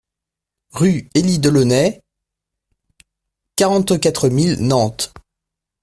Rue Élie Delaunay, quarante-quatre mille Nantes